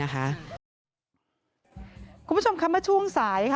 คุณผู้ชมครับมาช่วงสาย